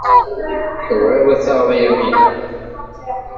Tebɣiḍ ad taɣeḍ Yamina.